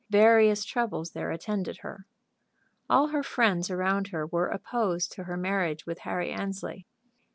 Various troubles there attended her. All her friends around her were opposed to her marriage with Harry Annesley.